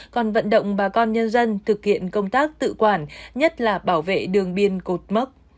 còn vận động bà con nhân dân thực hiện công tác tự quản nhất là bảo vệ đường biên cột mốc